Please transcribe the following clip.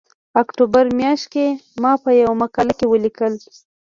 اکتوبر میاشت کې ما په یوه مقاله کې ولیکل